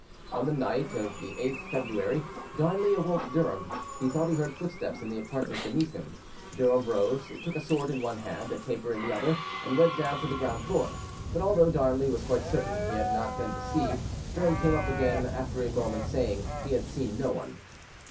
On the night of the 8th February, Darnley awoke Durham: he thought he heard footsteps in the apartment beneath him. Durham rose, took a sword in one hand, a taper in the other, and went down to the ground floor; but although Darnley was quite certain he had not been deceived, Durham came up again a moment after, saying he had seen no one.